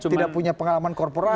tidak punya pengalaman korporasi